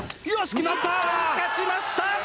日本、勝ちました！